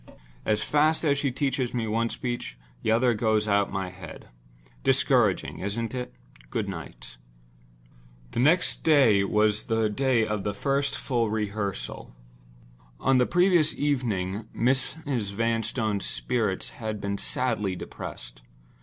As fast as she teaches me one speech, the other goes out of my head. Discouraging, isn't it? Goodnight." The next day but one was the day of the first full rehearsal. On the previous evening Mrs. Vanstone's spirits had been sadly depressed.